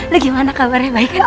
lu gimana kabarnya baik ini